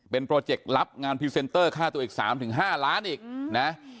เป็นโปรเจคลับงานพรีเซนเตอร์ค่าตัวอีกสามถึงห้าร้านอีกนะฮะ